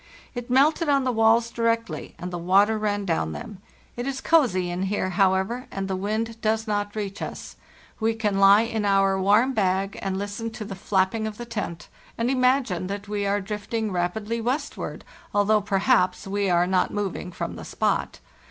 It melted on the walls directly, and the water ran down them. It 1s cozy 302 FARTHEST NORTH in here, however, and the wind does not reach us; we can lie in our warm bag, and listen to the flapping of the tent, and imagine that we are drifting rapidly westward, al though perhaps we are not moving from the spot.